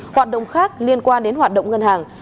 hoạt động khác liên quan đến hoạt động ngân hàng